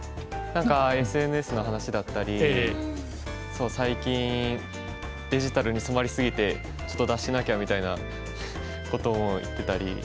何かＳＮＳの話だったりそう最近デジタルに染まり過ぎてちょっと脱しなきゃみたいなことも言ってたり。